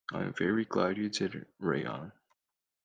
I am very glad you didn't, Rayan.